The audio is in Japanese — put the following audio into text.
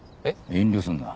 遠慮すんな。